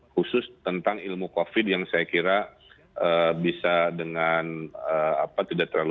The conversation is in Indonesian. khusus tentang ilmu covid yang saya kira bisa dengan tidak terlalu